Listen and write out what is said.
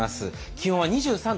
気温は２３度。